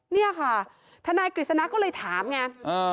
เนี่ยค่ะทนายกฤษณะก็เลยถามไง